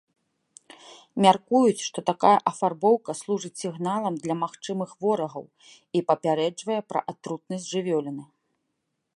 Мяркуюць, што такая афарбоўка служыць сігналам для магчымых ворагаў і папярэджвае пра атрутнасць жывёліны.